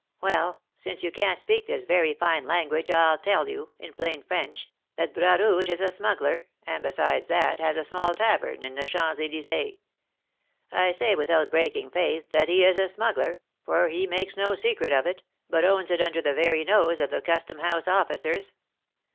Well, since you can't speak this very fine language, I tell you, in plain French, that Bras Rouge is a smuggler, and, besides that, has a small tavern in the Champs Elysées. I say, without breaking faith, that he is a smuggler, for he makes no secret of it, but owns it under the very nose of the custom house officers.